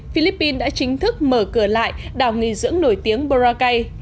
philippines đã chính thức mở cửa lại đảo nghỉ dưỡng nổi tiếng boracay